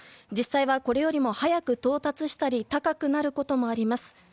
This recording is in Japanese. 実際は、これよりも早く到達したり高くなることもあります。